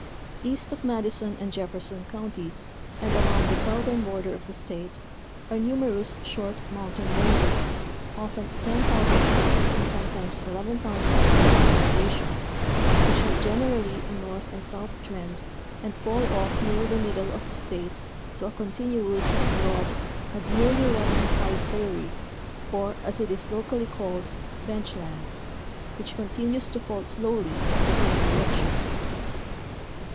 East of Madison 'and Jefferson Counties, and along the southern border of the State, are numerous short mountain ranges, often 10,000 feet and sometimes 11,000 feet in elevation, which have generally a north and south trend and fall off near — the middle of the State to a continuous, broad, and nearly level high prairie, or as it is locally called "bench land," which con tinues to fall slowly in the same direction.